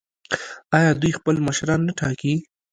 آیا دوی خپل مشران نه ټاکي؟